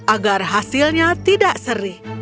agar hasilnya tidak seri